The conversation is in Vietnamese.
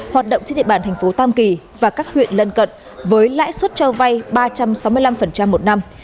hoạt động trên địa bàn thành phố tam kỳ và các huyện lân cận với lãi suất cho vay ba trăm sáu mươi năm một năm